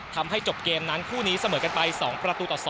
ทำให้จบเกมนั้นคู่นี้เสมอกันไป๒ประตูต่อ๒